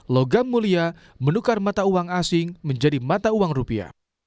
logam mulia menukar mata uang asing menjadi mata uang rupiah